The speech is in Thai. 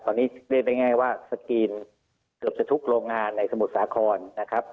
ตอนนี้เรียกได้ง่ายว่าสกรีนเกือบจะทุกโรงงานในสมุทรสาครนะครับ